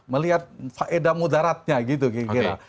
melihat faedah mudaratnya gitu kira kira